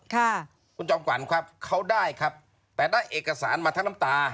ค่ะคุณจอมขวัญครับเขาได้ครับแต่ได้เอกสารมาทั้งน้ำตา